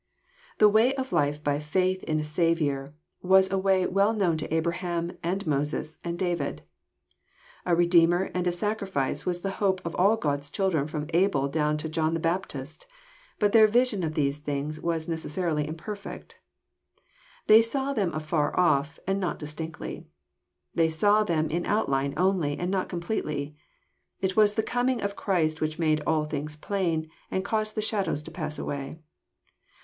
The way of life by faith in a Saviour was a way well known to Abraham and Moses and David. A Redeemer and a Sacrifice was the hope of all God's children from Abel down to John the Baptist ; but their vision of these things was necessarily imperfect. They saw them afar off, and not distinctly. They saw them in outline only, and not completely. It was the coming of Christ which made all things plain, and caused the shadows to pass away.